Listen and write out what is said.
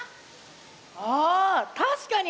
ああたしかに！